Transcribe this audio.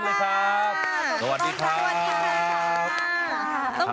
สวัสดีครับ